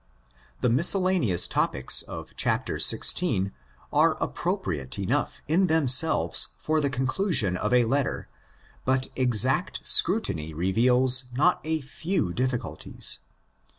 The miscellaneous topics of chapter xvi. are appropriate enough in themselves for the conclusion of a letter, but exact scrutiny reveals not a few difficulties.